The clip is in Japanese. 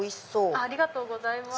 ありがとうございます。